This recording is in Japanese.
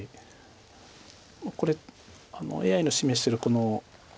これＡＩの示してるこの１２の七の。